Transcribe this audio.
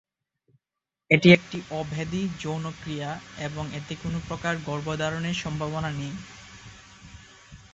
এটি একটি অভেদী-যৌনক্রিয়া এবং এতে কোন প্রকার গর্ভধারণের সম্ভাবনা নেই।